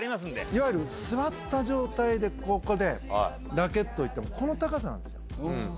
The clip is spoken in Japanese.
いわゆる座った状態で、これで、ラケット、この高さなんですよ。